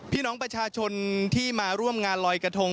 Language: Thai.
พี่น้องประชาชนที่มาร่วมงานลอยกระทง